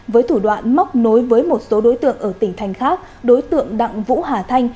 với thủ đoạn móc nối với một số đối tượng ở tỉnh thành khác đối tượng đặng vũ hà thanh